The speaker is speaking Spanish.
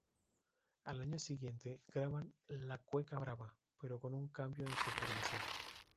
Al año siguiente graban "La cueca brava", pero con un cambio en su formación.